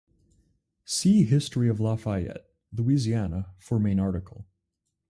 See History of Lafayette, Louisiana for main article.